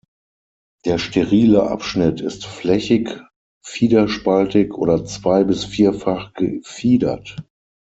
Der sterile Abschnitt ist flächig, fiederspaltig oder zwei- bis vierfach gefiedert.